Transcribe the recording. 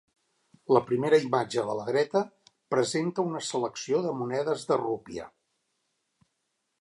La primera imatge de la dreta presenta una selecció de monedes de rupia.